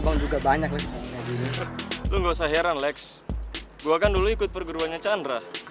tutup tenang tenangnya dari sisi chandra